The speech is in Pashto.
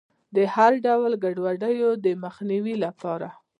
د هر ډول ګډوډیو د مخنیوي لپاره.